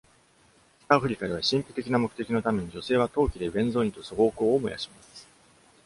北アフリカでは、神秘的な目的のために、女性は陶器でベンゾインと蘇合香を燃やします。